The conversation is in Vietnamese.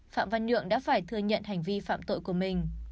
phạm văn nhượng đã phải thừa nhận hành vi phạm tội của mình